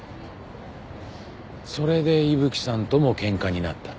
それで伊吹さんとも喧嘩になった？